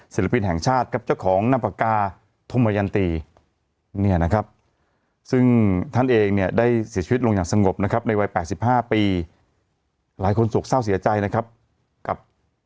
เสร็จภีรแห่งชาติครับ